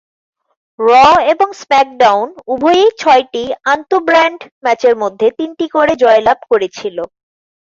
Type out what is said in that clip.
র এবং স্ম্যাকডাউন উভয়েই ছয়টি আন্ত-ব্র্যান্ড ম্যাচের মধ্যে তিনটি করে জয়লাভ করেছিল।